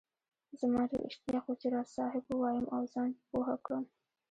زما ډېر اشتياق وو چي راز صاحب ووايم او زان په پوهه کړم